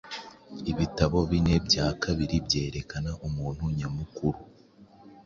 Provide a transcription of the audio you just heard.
Ibitabo bine bya kabiri byerekana umuntu nyamukuru